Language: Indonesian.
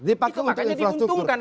dipakai untuk infrastruktur